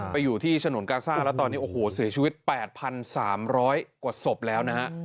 อยู่ที่ฉนวนกาซ่าแล้วตอนนี้โอ้โหเสียชีวิต๘๓๐๐กว่าศพแล้วนะฮะ